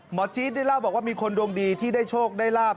จี๊ดได้เล่าบอกว่ามีคนดวงดีที่ได้โชคได้ลาบ